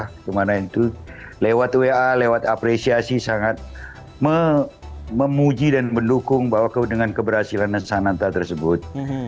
di mana mana daerah kemana itu lewat wa lewat apresiasi sangat memuji dan mendukung bahwa dengan keberhasilan sananta tersebut